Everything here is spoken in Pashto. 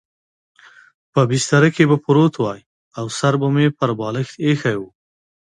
په بستره کې به پروت وای او سر به مې پر بالښت اېښی و.